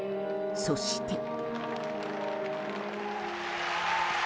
そして。